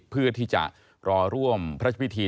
เพื่อที่จะรอรวมพระจบิที